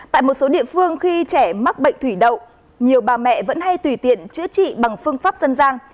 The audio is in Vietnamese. tại một số địa phương khi trẻ mắc bệnh thủy đậu nhiều bà mẹ vẫn hay tùy tiện chữa trị bằng phương pháp dân gian